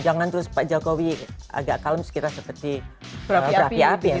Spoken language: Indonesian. jangan terus pak jokowi agak kalem sekitar seperti berapi api